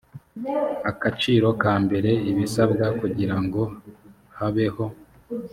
akaciro ka mbere ibisabwa kugira ngo habeho